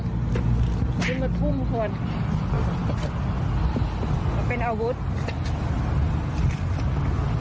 ซื้อมาทุ่มค่ะคุณ